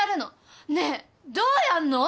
ねえどうやんの？